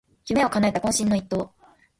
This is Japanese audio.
夢をかなえた懇親の一投